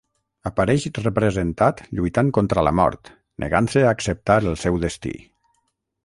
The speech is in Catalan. Apareix representat lluitant contra la mort, negant-se a acceptar el seu destí.